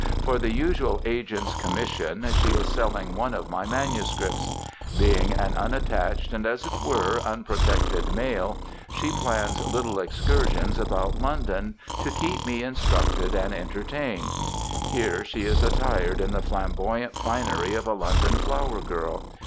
For the usual agent's commission she is selling one of my manuscripts. Being an unattached and, as it were, unprotected male, she plans little excursions about London to keep me instructed and entertained. Here she is attired in the flamboyant finery of a London flowergirl.